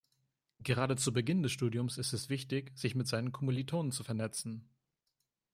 Gerade zu Beginn des Studiums ist es wichtig, sich mit seinen Kommilitonen zu vernetzen.